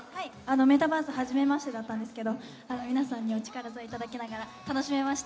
「メタバースＴＶ！！」は初めてだったんですが皆さんにお力添えいただきながら楽しめました。